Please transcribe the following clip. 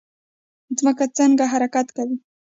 ځمکه څنګه حرکت کوي؟